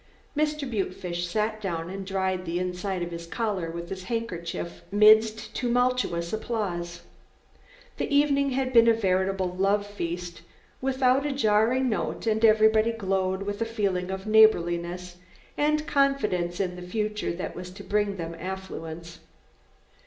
Mr. Butefish sat down and dried the inside of his collar with his handkerchief midst tumultuous applause. The evening had been a veritable love feast without a jarring note and everybody glowed with a feeling of neighborliness and confidence in a future that was to bring them affluence.